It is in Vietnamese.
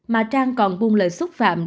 mà trang còn buông lời xúc phạm